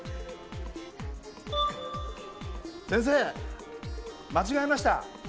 先生間違えました。